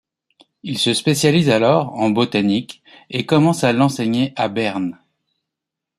Il se spécialise alors en botanique et commence à l'enseigner à Berne.